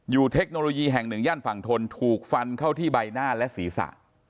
เทคโนโลยีแห่งหนึ่งย่านฝั่งทนถูกฟันเข้าที่ใบหน้าและศีรษะ